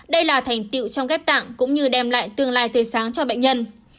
đây là thành tựu trong kép tạng cũng như đem lại tương lai tươi sáng cho bệnh nhân